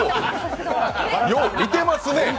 よう見てますね。